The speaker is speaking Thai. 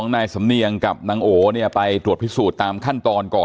เราเดินทุกวันเราดูทุกวัน